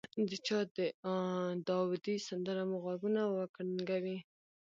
د چا داودي سندره مو غوږونه وکړنګوي.